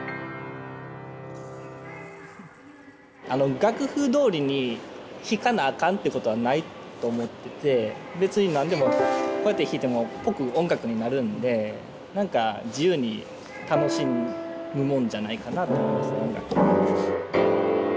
楽譜どおりに弾かなあかんってことはないと思ってて別に何でもこうやって弾いてもっぽく音楽になるんで何か自由に楽しむもんじゃないかなと思いますね。